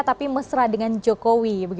tapi mesra dengan jokowi